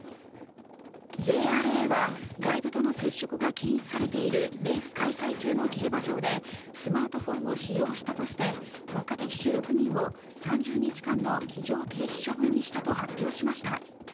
ＪＲＡは外部との接触が禁止されている、レース開催中の競馬場でスマートフォンを使用したとして若手騎手６人を３０日間の騎乗停止処分にしたと発表しました。